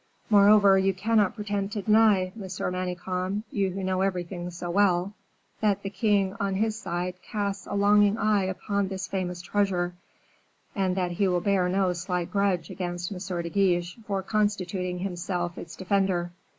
Moreover, you cannot pretend to deny, Monsieur Manicamp you who know everything so well that the king on his side casts a longing eye upon this famous treasure, and that he will bear no slight grudge against M. de Guiche for constituting himself its defender.